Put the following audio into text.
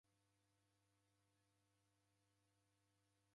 Nigue vindo nije.